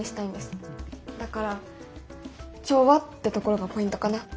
だから「調和」ってところがポイントかな。